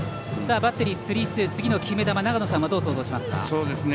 バッテリー、スリーツー次の決め球は長野さんはどう想像しますか？